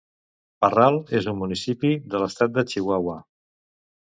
Parral és un municipi de l'estat de Chihuahua.